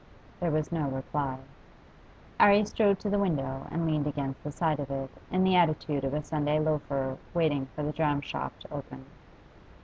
There was no reply. 'Arry strode to the window and leaned against the side of it, in the attitude of a Sunday loafer waiting for the dram shop to open.